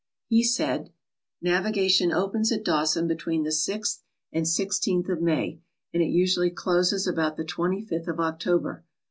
He said: "Navigation opens at Dawson between the 6th and 1 6th of May, and it usually closes about the 25th of Oc tober.